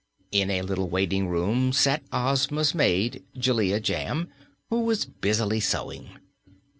In a little waiting room sat Ozma's maid, Jellia Jamb, who was busily sewing.